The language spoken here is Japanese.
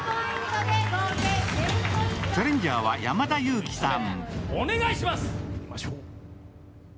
チャレンジャーは山田裕貴さん。